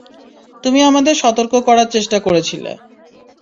তুমি আমাদের সতর্ক করার চেষ্টা করেছিলে।